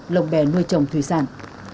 lồng bè nuôi chồng thủy sản